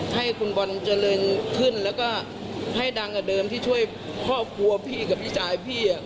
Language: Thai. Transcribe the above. ให้คุณบอลเจริญขึ้นแล้วก็ให้ดังกว่าเดิมที่ช่วยครอบครัวพี่กับพี่ชายพี่